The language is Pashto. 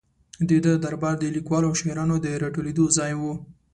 د ده دربار د لیکوالو او شاعرانو د را ټولېدو ځای و.